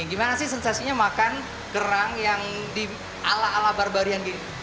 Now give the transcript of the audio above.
gimana sih sensasinya makan kerang yang di ala ala barbarian ini